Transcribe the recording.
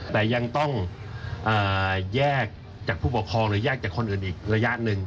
แต่ยังต้องแยกจากผู้ปกครองหรือแยกจากคนอื่นอีกระยะหนึ่ง